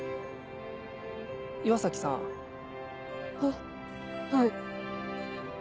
岩崎さん。ははい。